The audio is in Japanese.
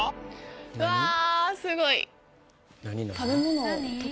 うわすごい。